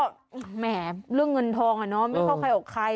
แหมเรื่องเงินทองอ่ะเนาะไม่เข้าใครออกใคร